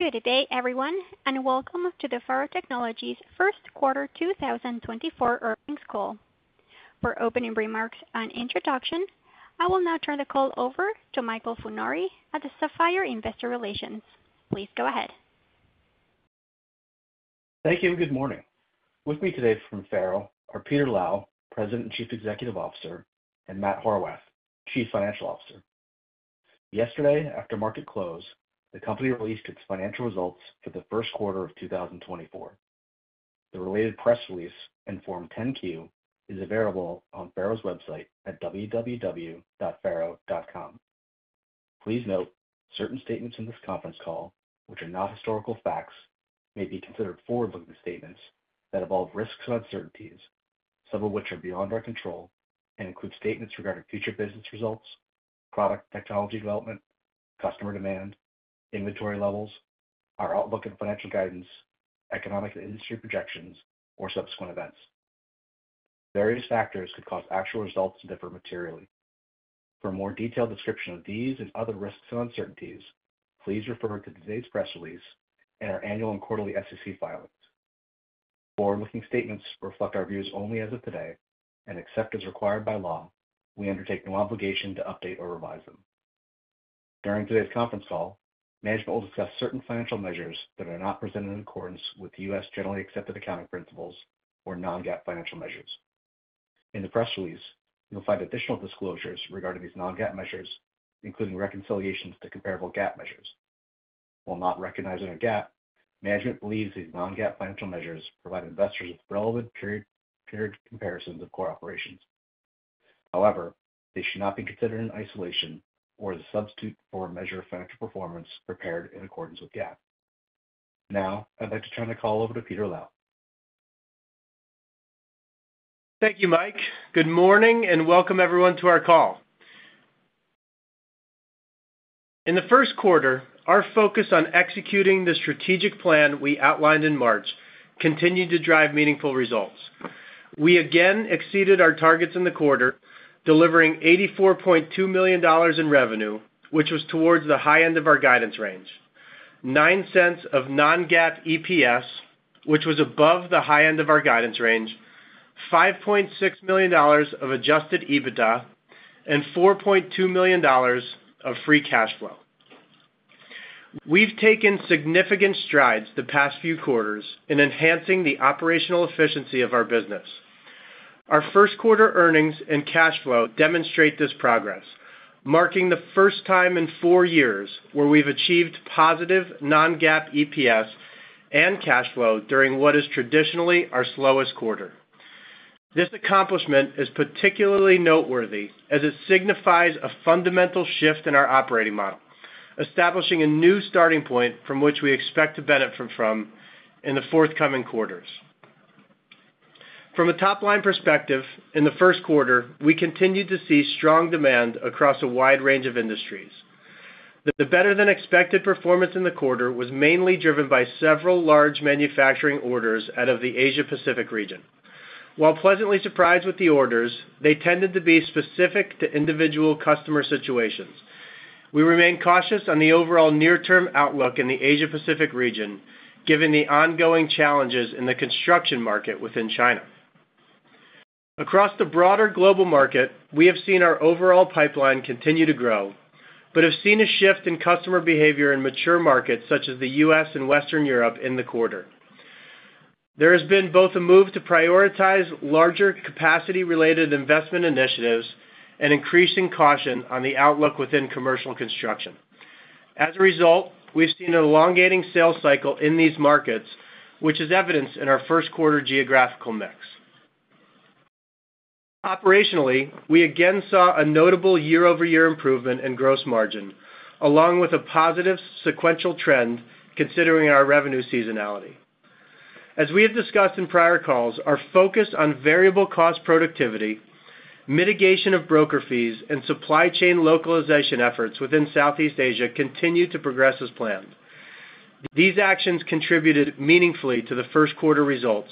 Good day, everyone, and welcome to the FARO Technologies first quarter 2024 earnings call. For opening remarks and introduction, I will now turn the call over to Michael Funari at the Sapphire Investor Relations. Please go ahead. Thank you and good morning. With me today from FARO are Peter Lau, President and Chief Executive Officer, and Matt Horwath, Chief Financial Officer. Yesterday, after market close, the company released its financial results for the first quarter of 2024. The related press release and Form 10-Q are available on FARO's website at www.faro.com. Please note, certain statements in this conference call, which are not historical facts, may be considered forward-looking statements that involve risks and uncertainties, some of which are beyond our control, and include statements regarding future business results, product technology development, customer demand, inventory levels, our outlook and financial guidance, economic and industry projections, or subsequent events. Various factors could cause actual results to differ materially. For a more detailed description of these and other risks and uncertainties, please refer to today's press release and our annual and quarterly SEC filings. Forward-looking statements reflect our views only as of today, and except as required by law, we undertake no obligation to update or revise them. During today's conference call, management will discuss certain financial measures that are not presented in accordance with U.S. generally accepted accounting principles or non-GAAP financial measures. In the press release, you'll find additional disclosures regarding these non-GAAP measures, including reconciliations to comparable GAAP measures. While not recognized under GAAP, management believes these non-GAAP financial measures provide investors with relevant period comparisons of core operations. However, they should not be considered in isolation or as a substitute for a measure of financial performance prepared in accordance with GAAP. Now, I'd like to turn the call over to Peter Lau. Thank you, Mike. Good morning and welcome, everyone, to our call. In the first quarter, our focus on executing the strategic plan we outlined in March continued to drive meaningful results. We again exceeded our targets in the quarter, delivering $84.2 million in revenue, which was towards the high end of our guidance range, $0.09 of non-GAAP EPS, which was above the high end of our guidance range, $5.6 million of Adjusted EBITDA, and $4.2 million of free cash flow. We've taken significant strides the past few quarters in enhancing the operational efficiency of our business. Our first quarter earnings and cash flow demonstrate this progress, marking the first time in four years where we've achieved positive non-GAAP EPS and cash flow during what is traditionally our slowest quarter. This accomplishment is particularly noteworthy as it signifies a fundamental shift in our operating model, establishing a new starting point from which we expect to benefit from in the forthcoming quarters. From a top-line perspective, in the first quarter, we continued to see strong demand across a wide range of industries. The better-than-expected performance in the quarter was mainly driven by several large manufacturing orders out of the Asia-Pacific region. While pleasantly surprised with the orders, they tended to be specific to individual customer situations. We remain cautious on the overall near-term outlook in the Asia-Pacific region, given the ongoing challenges in the construction market within China. Across the broader global market, we have seen our overall pipeline continue to grow but have seen a shift in customer behavior in mature markets such as the U.S. and Western Europe in the quarter. There has been both a move to prioritize larger capacity-related investment initiatives and increasing caution on the outlook within commercial construction. As a result, we've seen an elongating sales cycle in these markets, which is evidenced in our first-quarter geographical mix. Operationally, we again saw a notable year-over-year improvement in gross margin, along with a positive sequential trend considering our revenue seasonality. As we have discussed in prior calls, our focus on variable cost productivity, mitigation of broker fees, and supply chain localization efforts within Southeast Asia continued to progress as planned. These actions contributed meaningfully to the first quarter results,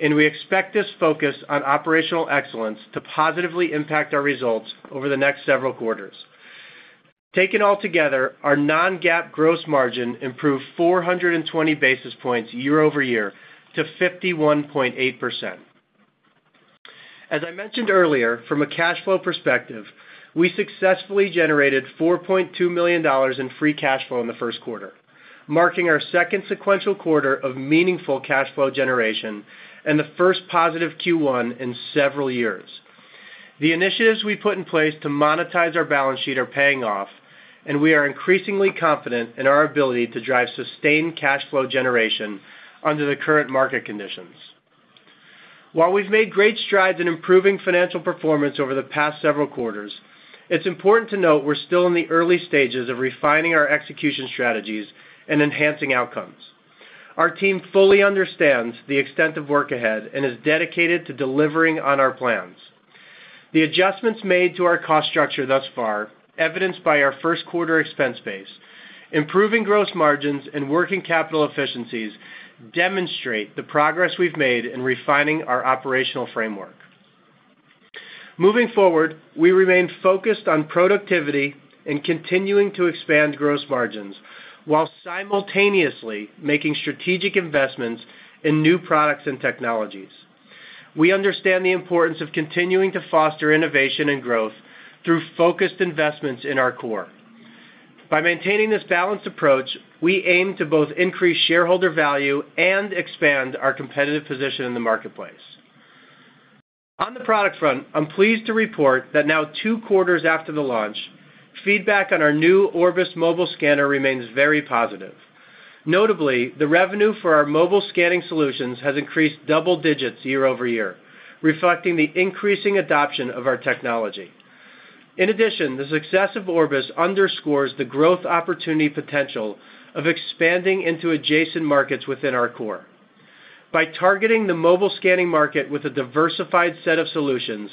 and we expect this focus on operational excellence to positively impact our results over the next several quarters. Taken altogether, our non-GAAP gross margin improved 420 basis points year over year to 51.8%. As I mentioned earlier, from a cash flow perspective, we successfully generated $4.2 million in free cash flow in the first quarter, marking our second sequential quarter of meaningful cash flow generation and the first positive Q1 in several years. The initiatives we put in place to monetize our balance sheet are paying off, and we are increasingly confident in our ability to drive sustained cash flow generation under the current market conditions. While we've made great strides in improving financial performance over the past several quarters, it's important to note we're still in the early stages of refining our execution strategies and enhancing outcomes. Our team fully understands the extent of work ahead and is dedicated to delivering on our plans. The adjustments made to our cost structure thus far, evidenced by our first quarter expense base, improving gross margins, and working capital efficiencies demonstrate the progress we've made in refining our operational framework. Moving forward, we remain focused on productivity and continuing to expand gross margins while simultaneously making strategic investments in new products and technologies. We understand the importance of continuing to foster innovation and growth through focused investments in our core. By maintaining this balanced approach, we aim to both increase shareholder value and expand our competitive position in the marketplace. On the product front, I'm pleased to report that now two quarters after the launch, feedback on our new Orbis mobile scanner remains very positive. Notably, the revenue for our mobile scanning solutions has increased double digits year-over-year, reflecting the increasing adoption of our technology. In addition, the success of Orbis underscores the growth opportunity potential of expanding into adjacent markets within our core. By targeting the mobile scanning market with a diversified set of solutions,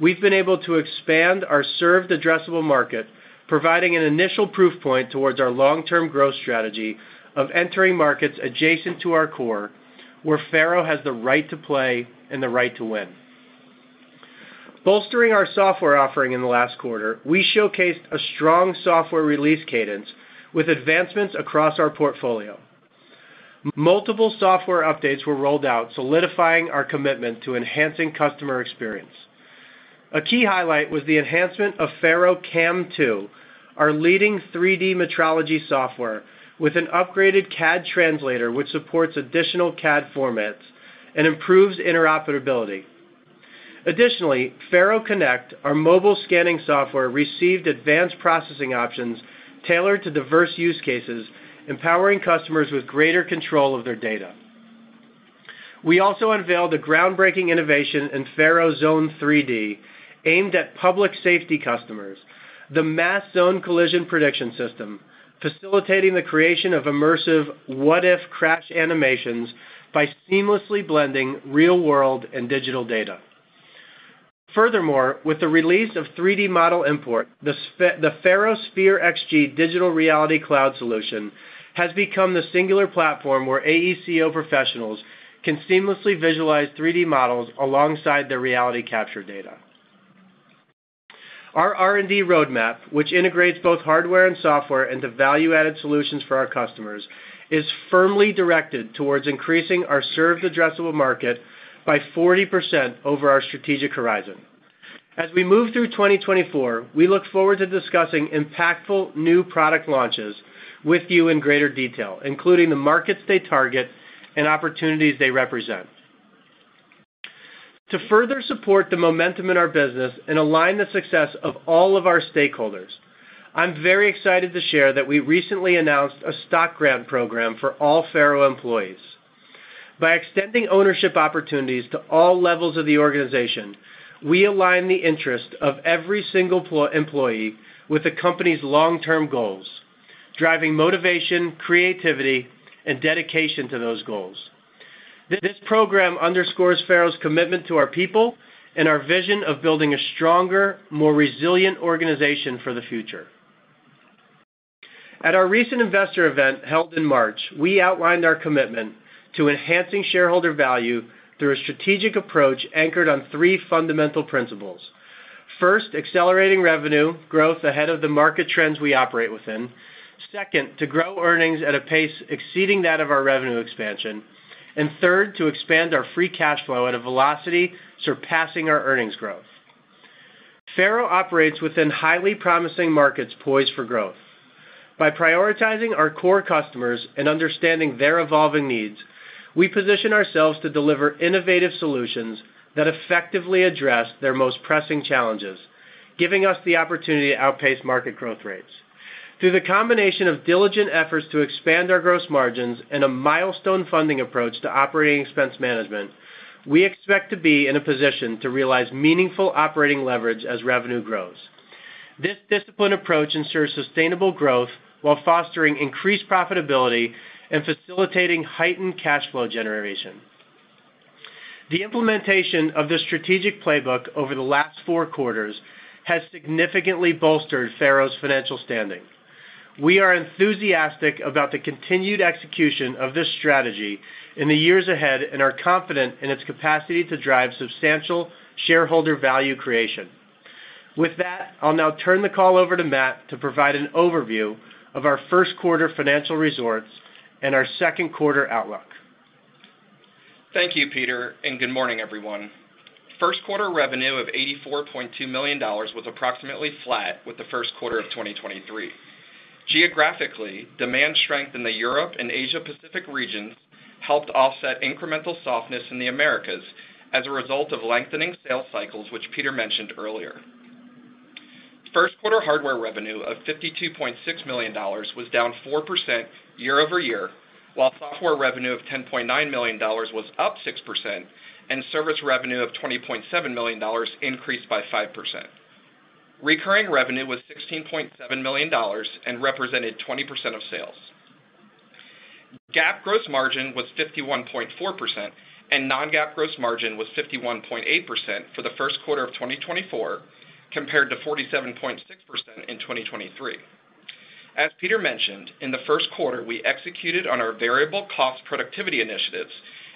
we've been able to expand our served addressable market, providing an initial proof point towards our long-term growth strategy of entering markets adjacent to our core where FARO has the right to play and the right to win. Bolstering our software offering in the last quarter, we showcased a strong software release cadence with advancements across our portfolio. Multiple software updates were rolled out, solidifying our commitment to enhancing customer experience. A key highlight was the enhancement of FARO CAM2, our leading 3D metrology software, with an upgraded CAD translator which supports additional CAD formats and improves interoperability. Additionally, FARO Connect, our mobile scanning software, received advanced processing options tailored to diverse use cases, empowering customers with greater control of their data. We also unveiled a groundbreaking innovation in FARO Zone 3D aimed at public safety customers, the MassZone Collision Prediction System, facilitating the creation of immersive "what if" crash animations by seamlessly blending real-world and digital data. Furthermore, with the release of 3D model import, the FARO Sphere XG Digital Reality cloud solution has become the singular platform where AECO professionals can seamlessly visualize 3D models alongside their reality capture data. Our R&D roadmap, which integrates both hardware and software into value-added solutions for our customers, is firmly directed towards increasing our served addressable market by 40% over our strategic horizon. As we move through 2024, we look forward to discussing impactful new product launches with you in greater detail, including the markets they target and opportunities they represent. To further support the momentum in our business and align the success of all of our stakeholders, I'm very excited to share that we recently announced a stock grant program for all FARO employees. By extending ownership opportunities to all levels of the organization, we align the interests of every single employee with the company's long-term goals, driving motivation, creativity, and dedication to those goals. This program underscores FARO's commitment to our people and our vision of building a stronger, more resilient organization for the future. At our recent investor event held in March, we outlined our commitment to enhancing shareholder value through a strategic approach anchored on three fundamental principles: first, accelerating revenue growth ahead of the market trends we operate within; second, to grow earnings at a pace exceeding that of our revenue expansion; and third, to expand our free cash flow at a velocity surpassing our earnings growth. FARO operates within highly promising markets poised for growth. By prioritizing our core customers and understanding their evolving needs, we position ourselves to deliver innovative solutions that effectively address their most pressing challenges, giving us the opportunity to outpace market growth rates. Through the combination of diligent efforts to expand our gross margins and a milestone funding approach to operating expense management, we expect to be in a position to realize meaningful operating leverage as revenue grows. This disciplined approach ensures sustainable growth while fostering increased profitability and facilitating heightened cash flow generation. The implementation of this strategic playbook over the last four quarters has significantly bolstered FARO's financial standing. We are enthusiastic about the continued execution of this strategy in the years ahead and are confident in its capacity to drive substantial shareholder value creation. With that, I'll now turn the call over to Matt to provide an overview of our first quarter financial results and our second quarter outlook. Thank you, Peter, and good morning, everyone. First quarter revenue of $84.2 million was approximately flat with the first quarter of 2023. Geographically, demand strength in the Europe and Asia-Pacific regions helped offset incremental softness in the Americas as a result of lengthening sales cycles, which Peter mentioned earlier. First quarter hardware revenue of $52.6 million was down 4% year-over-year, while software revenue of $10.9 million was up 6% and service revenue of $20.7 million increased by 5%. Recurring revenue was $16.7 million and represented 20% of sales. GAAP gross margin was 51.4% and non-GAAP gross margin was 51.8% for the first quarter of 2024, compared to 47.6% in 2023. As Peter mentioned, in the first quarter, we executed on our variable cost productivity initiatives,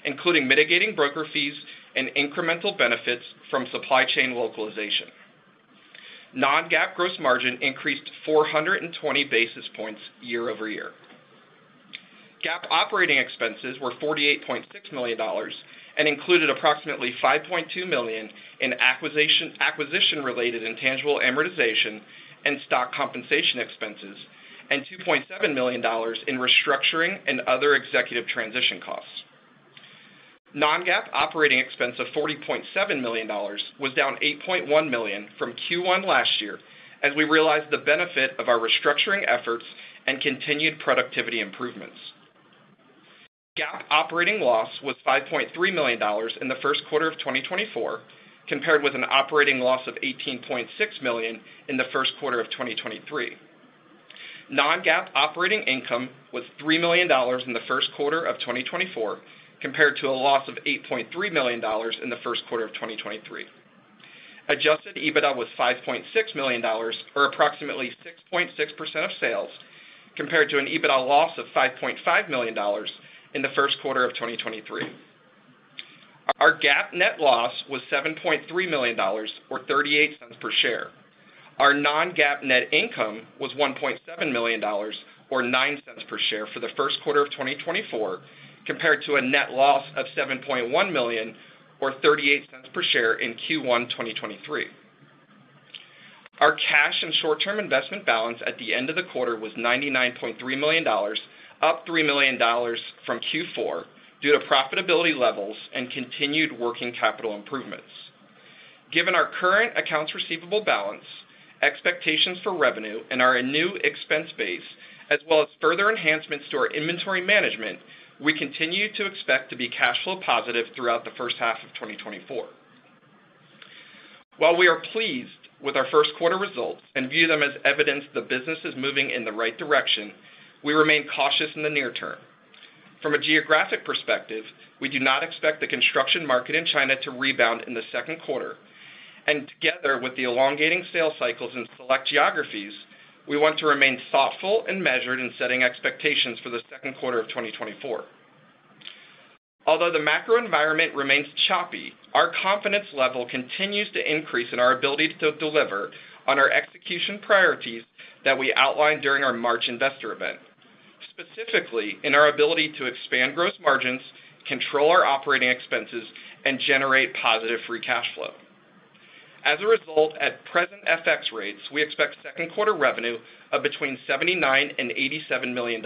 including mitigating broker fees and incremental benefits from supply chain localization. Non-GAAP gross margin increased 420 basis points year-over-year. GAAP operating expenses were $48.6 million and included approximately $5.2 million in acquisition-related intangible amortization and stock compensation expenses, and $2.7 million in restructuring and other executive transition costs. Non-GAAP operating expense of $40.7 million was down $8.1 million from Q1 last year as we realized the benefit of our restructuring efforts and continued productivity improvements. GAAP operating loss was $5.3 million in the first quarter of 2024, compared with an operating loss of $18.6 million in the first quarter of 2023. Non-GAAP operating income was $3 million in the first quarter of 2024, compared to a loss of $8.3 million in the first quarter of 2023. Adjusted EBITDA was $5.6 million, or approximately 6.6% of sales, compared to an EBITDA loss of $5.5 million in the first quarter of 2023. Our GAAP net loss was $7.3 million, or $0.38 per share. Our non-GAAP net income was $1.7 million, or $0.09 per share for the first quarter of 2024, compared to a net loss of $7.1 million, or $0.38 per share in Q1 2023. Our cash and short-term investment balance at the end of the quarter was $99.3 million, up $3 million from Q4 due to profitability levels and continued working capital improvements. Given our current accounts receivable balance, expectations for revenue, and our new expense base, as well as further enhancements to our inventory management, we continue to expect to be cash flow positive throughout the first half of 2024. While we are pleased with our first quarter results and view them as evidence the business is moving in the right direction, we remain cautious in the near term. From a geographic perspective, we do not expect the construction market in China to rebound in the second quarter, and together with the elongating sales cycles in select geographies, we want to remain thoughtful and measured in setting expectations for the second quarter of 2024. Although the macro environment remains choppy, our confidence level continues to increase in our ability to deliver on our execution priorities that we outlined during our March investor event, specifically in our ability to expand gross margins, control our operating expenses, and generate positive free cash flow. As a result, at present FX rates, we expect second quarter revenue of between $79 and $87 million.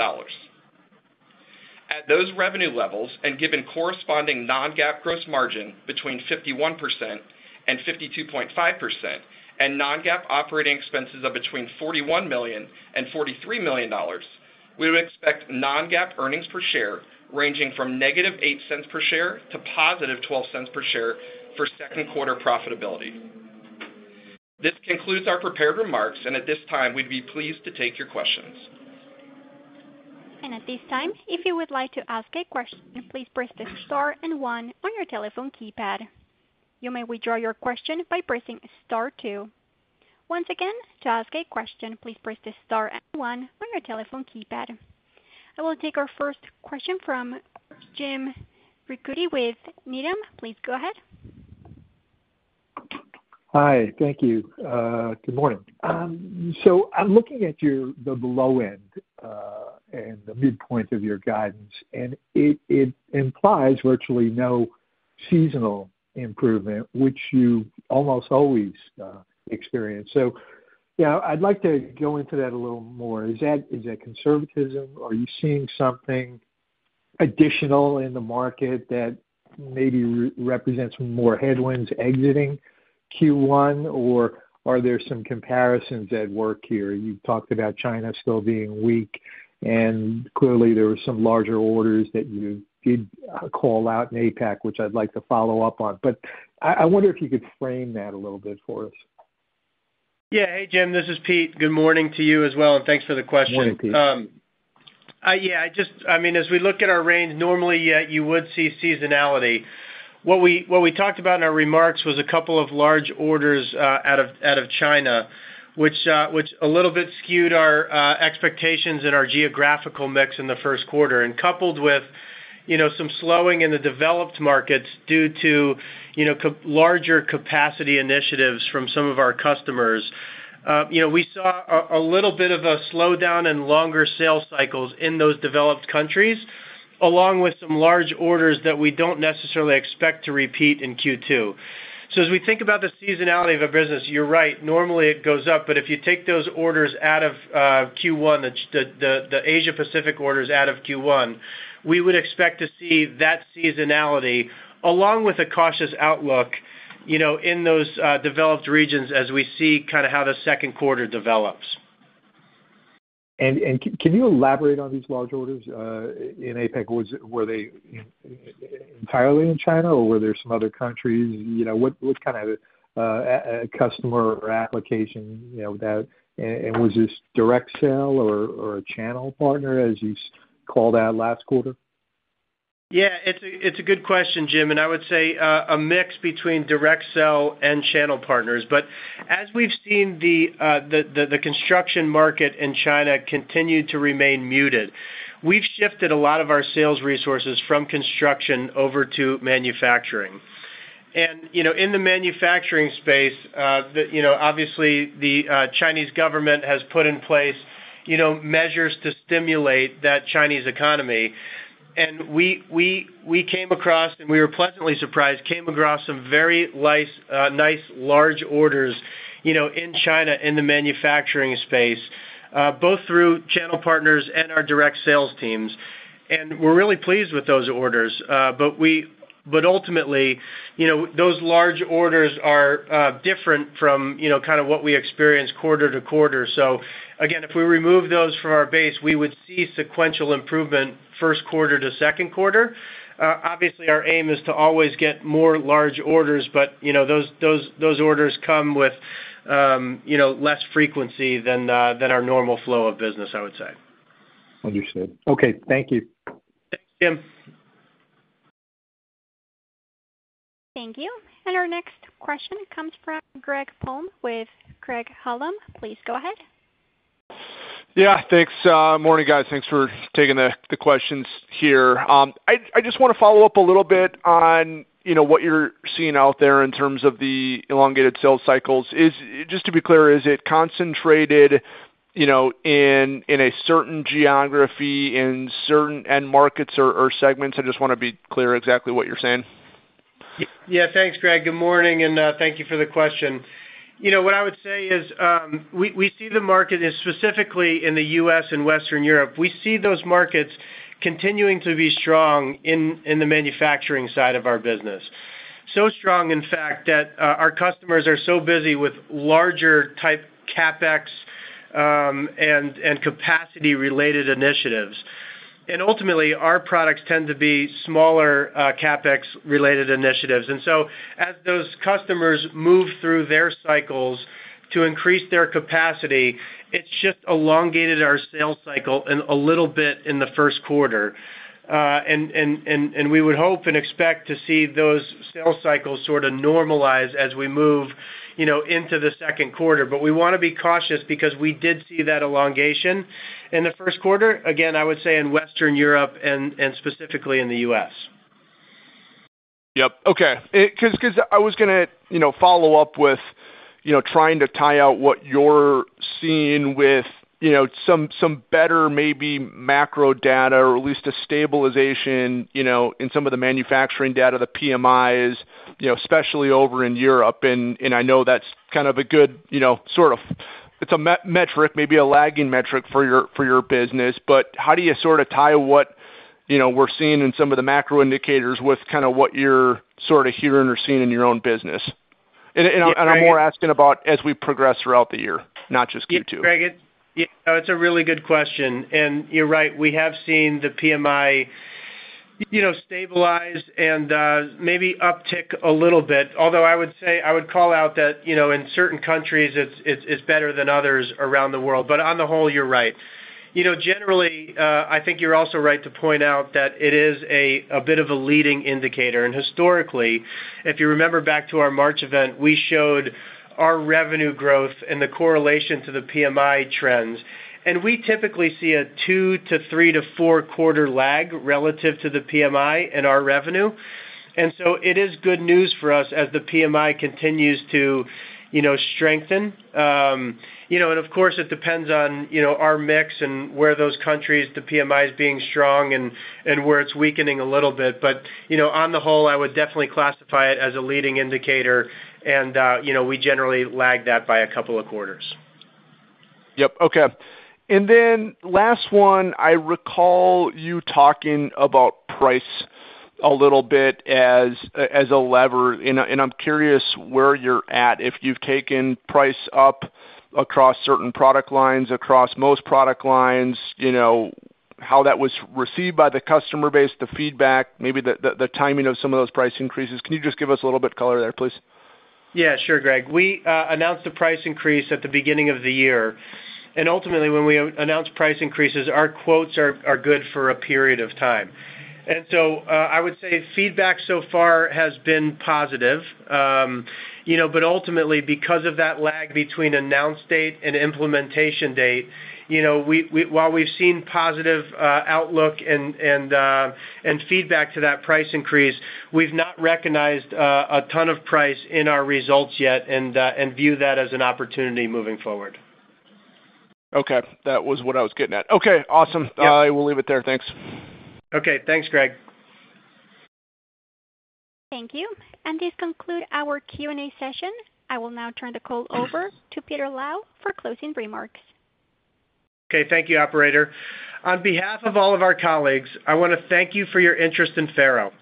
At those revenue levels and given corresponding non-GAAP gross margin between 51%-52.5% and non-GAAP operating expenses of between $41 million-$43 million, we would expect non-GAAP earnings per share ranging from -0.08 per share to +0.12 per share for second quarter profitability. This concludes our prepared remarks, and at this time, we'd be pleased to take your questions. At this time, if you would like to ask a question, please press the star and one on your telephone keypad. You may withdraw your question by pressing star two. Once again, to ask a question, please press the star and one on your telephone keypad. I will take our first question from Jim Ricchiuti with Needham. Please go ahead. Hi. Thank you. Good morning. So I'm looking at the low end and the midpoint of your guidance, and it implies virtually no seasonal improvement, which you almost always experience. So I'd like to go into that a little more. Is that conservatism? Are you seeing something additional in the market that maybe represents more headwinds exiting Q1, or are there some comparisons at work here? You've talked about China still being weak, and clearly, there were some larger orders that you did call out in APAC, which I'd like to follow up on. But I wonder if you could frame that a little bit for us. Yeah. Hey, Jim. This is Pete. Good morning to you as well, and thanks for the question. Morning, Pete. Yeah. I mean, as we look at our range, normally, you would see seasonality. What we talked about in our remarks was a couple of large orders out of China, which a little bit skewed our expectations and our geographical mix in the first quarter, and coupled with some slowing in the developed markets due to larger capacity initiatives from some of our customers. We saw a little bit of a slowdown and longer sales cycles in those developed countries, along with some large orders that we don't necessarily expect to repeat in Q2. So as we think about the seasonality of our business, you're right. Normally, it goes up. But if you take those orders out of Q1, the Asia-Pacific orders out of Q1, we would expect to see that seasonality, along with a cautious outlook in those developed regions as we see kind of how the second quarter develops. Can you elaborate on these large orders in APAC? Were they entirely in China, or were there some other countries? What kind of a customer or application was this direct sale or a channel partner, as you called out last quarter? Yeah. It's a good question, Jim. And I would say a mix between direct sale and channel partners. But as we've seen the construction market in China continue to remain muted, we've shifted a lot of our sales resources from construction over to manufacturing. And in the manufacturing space, obviously, the Chinese government has put in place measures to stimulate that Chinese economy. And we came across, and we were pleasantly surprised, came across some very nice large orders in China in the manufacturing space, both through channel partners and our direct sales teams. And we're really pleased with those orders. But ultimately, those large orders are different from kind of what we experience quarter to quarter. So again, if we remove those from our base, we would see sequential improvement first quarter to second quarter. Obviously, our aim is to always get more large orders, but those orders come with less frequency than our normal flow of business, I would say. Understood. Okay. Thank you. Thanks, Jim. Thank you. Our next question comes from Greg Palm with Craig-Hallum. Please go ahead. Yeah. Morning, guys. Thanks for taking the questions here. I just want to follow up a little bit on what you're seeing out there in terms of the elongated sales cycles. Just to be clear, is it concentrated in a certain geography, in certain end markets or segments? I just want to be clear exactly what you're saying. Yeah. Thanks, Greg. Good morning, and thank you for the question. What I would say is we see the market, specifically in the U.S. and Western Europe, we see those markets continuing to be strong in the manufacturing side of our business. So strong, in fact, that our customers are so busy with larger-type CapEx and capacity-related initiatives. And ultimately, our products tend to be smaller CapEx-related initiatives. And so as those customers move through their cycles to increase their capacity, it's just elongated our sales cycle a little bit in the first quarter. And we would hope and expect to see those sales cycles sort of normalize as we move into the second quarter. But we want to be cautious because we did see that elongation in the first quarter. Again, I would say in Western Europe and specifically in the U.S. Yep. Okay. Because I was going to follow up with trying to tie out what you're seeing with some better, maybe, macro data or at least a stabilization in some of the manufacturing data, the PMIs, especially over in Europe. And I know that's kind of a good sort of. It's a metric, maybe a lagging metric for your business. But how do you sort of tie what we're seeing in some of the macro indicators with kind of what you're sort of hearing or seeing in your own business? And I'm more asking about as we progress throughout the year, not just Q2. Yeah. Greg, it's a really good question. And you're right. We have seen the PMI stabilize and maybe uptick a little bit, although I would call out that in certain countries, it's better than others around the world. But on the whole, you're right. Generally, I think you're also right to point out that it is a bit of a leading indicator. And historically, if you remember back to our March event, we showed our revenue growth and the correlation to the PMI trends. And we typically see a 2 to 3 to 4-quarter lag relative to the PMI in our revenue. And so it is good news for us as the PMI continues to strengthen. And of course, it depends on our mix and where those countries, the PMI is being strong and where it's weakening a little bit. On the whole, I would definitely classify it as a leading indicator, and we generally lag that by a couple of quarters. Yep. Okay. And then last one, I recall you talking about price a little bit as a lever. And I'm curious where you're at, if you've taken price up across certain product lines, across most product lines, how that was received by the customer base, the feedback, maybe the timing of some of those price increases. Can you just give us a little bit color there, please? Yeah. Sure, Greg. We announced a price increase at the beginning of the year. Ultimately, when we announce price increases, our quotes are good for a period of time. So I would say feedback so far has been positive. But ultimately, because of that lag between announced date and implementation date, while we've seen positive outlook and feedback to that price increase, we've not recognized a ton of price in our results yet and view that as an opportunity moving forward. Okay. That was what I was getting at. Okay. Awesome. I will leave it there. Thanks. Okay. Thanks, Greg. Thank you. This concludes our Q&A session. I will now turn the call over to Peter Lau for closing remarks. Okay. Thank you, operator. On behalf of all of our colleagues, I want to thank you for your interest in FARO.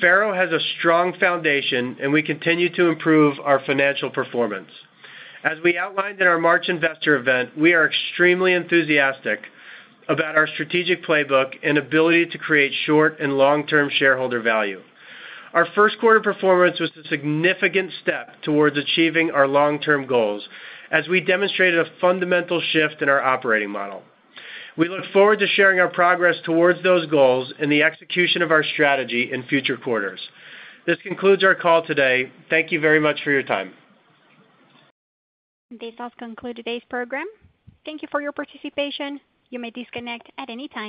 FARO has a strong foundation, and we continue to improve our financial performance. As we outlined in our March investor event, we are extremely enthusiastic about our strategic playbook and ability to create short and long-term shareholder value. Our first quarter performance was a significant step towards achieving our long-term goals as we demonstrated a fundamental shift in our operating model. We look forward to sharing our progress towards those goals and the execution of our strategy in future quarters. This concludes our call today. Thank you very much for your time. This also concludes today's program. Thank you for your participation. You may disconnect at any time.